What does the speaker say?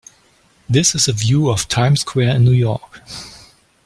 This is a view of time square in New York.